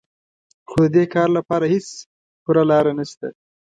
خو د دې کار لپاره هېڅ پوره لاره نهشته